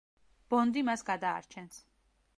ბონდი მას გადაარჩენს.